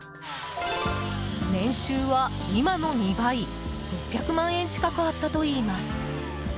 年収は今の２倍６００万円近くあったといいます。